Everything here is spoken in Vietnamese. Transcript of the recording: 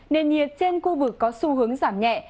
nền nhiệt trên khu vực có xu hướng giảm nhẹ